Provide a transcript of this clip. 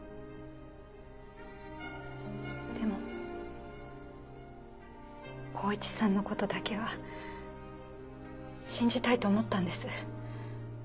でも公一さんの事だけは信じたいと思ったんです。